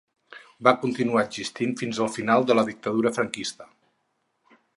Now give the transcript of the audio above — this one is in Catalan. Va continuar existint fins al final de la dictadura franquista.